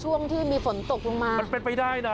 เหมือนวรอมันเหุ่นเหมือนมันวิ่งอยู่บนบนผิวน้ำ